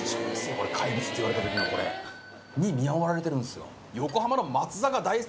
これ怪物っていわれた時の。に見守られてるんですよ。